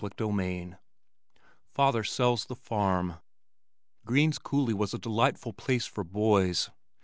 CHAPTER IV Father Sells the Farm Green's Coulee was a delightful place for boys.